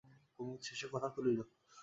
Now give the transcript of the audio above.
কুমুদ শেষে কথা তুলিল।